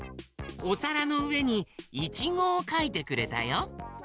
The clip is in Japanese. おさらのうえにいちごをかいてくれたよ。